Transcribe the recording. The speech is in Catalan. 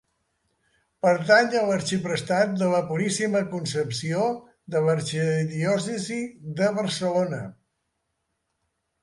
Pertany a l'arxiprestat de la Puríssima Concepció de l'Arxidiòcesi de Barcelona.